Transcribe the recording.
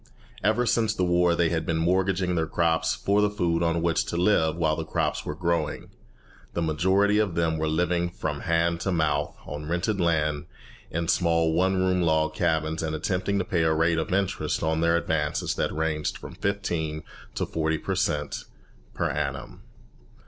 Ever since the war they had been mortgaging their crops for the food on which to live while the crops were growing. The majority of them were living from hand to mouth on rented land, in small one room log cabins, and attempting to pay a rate of interest on their advances that ranged from fifteen to forty per cent. per annum.